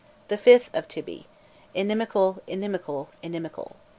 The 5th of Tybi: inimical, inimical, inimical.